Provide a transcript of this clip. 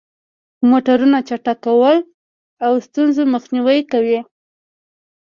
د موټرو چک کول د ستونزو مخنیوی کوي.